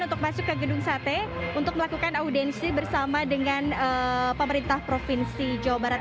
untuk masuk ke gedung sate untuk melakukan audiensi bersama dengan pemerintah provinsi jawa barat